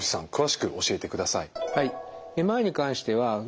はい。